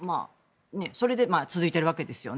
それで続いているわけですよね。